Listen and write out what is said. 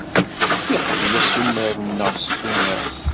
Yeqbel assumer-nneɣ s tumert.